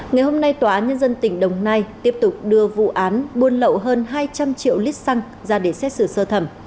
ngày hôm nay tòa án nhân dân tỉnh đồng nai tiếp tục đưa vụ án buôn lậu hơn hai trăm linh triệu lít xăng ra để xét xử sơ thẩm